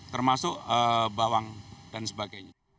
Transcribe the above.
termasuk bawang dan sebagainya